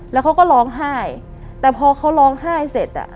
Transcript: แล้วเขาก็ร้องไห้แต่พอเขาร้องไห้เสร็จอ่ะ